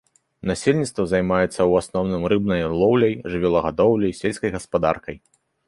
Насельніцтва займаецца ў асноўным рыбнай лоўляй, жывёлагадоўляй і сельскай гаспадаркай.